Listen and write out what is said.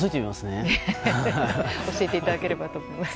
教えていただければと思います。